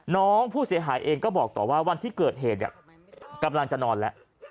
น้องผู้เสียหายเองก็บอกต่อว่าวันที่เกิดเหตุกำลังจะนอนแล้ว